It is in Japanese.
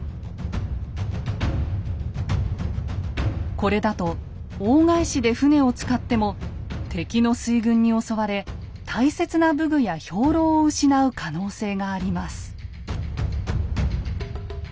これだと大返しで船を使っても敵の水軍に襲われ大切な武具や兵糧を失う可能性があります。